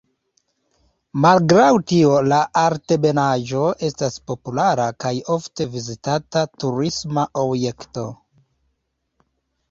Malgraŭ tio la altebenaĵo estas populara kaj ofte vizitata turisma objekto.